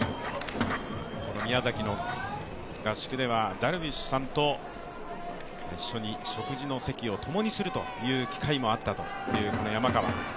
宮崎の合宿ではダルビッシュさんと一緒に食事の席を共にするという機会もあったという山川。